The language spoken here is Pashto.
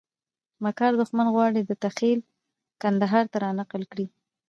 مکار دښمن غواړي دته خېل کندهار ته رانقل کړي.